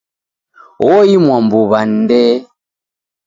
Oimwa mbuw'a ni Ndee.